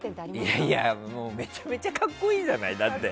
いやいやめちゃめちゃ格好いいじゃない。